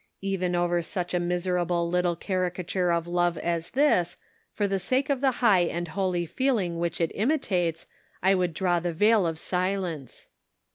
Even over such a miserable little caricature of love as this, for the sake of the high and holy feeling which it imitates, I would draw the veil of silence.